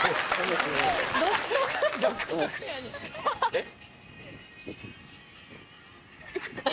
えっ？